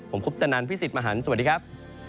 ผมคุปตนันพี่สิทธิ์มหันฯสวัสดีครับ